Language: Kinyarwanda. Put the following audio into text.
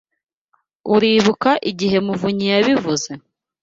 Uribuka igihe muvunyi yabivuze?